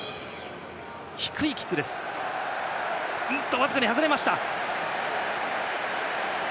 僅かに外れました。